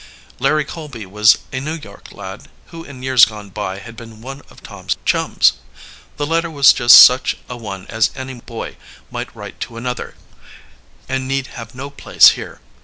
Larry Colby was a New York lad who in years gone by had been one of Tom's chums. The letter was just such a one as any boy might write to another, and need have no place here.